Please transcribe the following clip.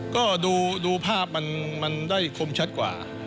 ก็ดูภาพมันได้คมชัดกว่า